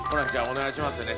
お願いしますね。